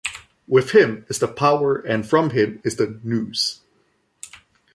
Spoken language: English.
With him is the Power and from him is the "nous".